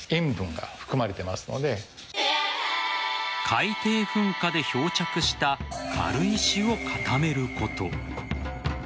海底噴火で漂着した軽石を固めること。